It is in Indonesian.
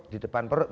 di depan perut